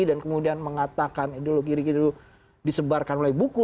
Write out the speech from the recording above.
dan kemudian mengatakan ideologi kiri itu disebarkan oleh buku